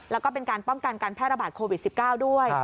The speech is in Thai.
แล้วก็เป็นการป้องกันการแพร่ระบาดโควิด๑๙ด้วย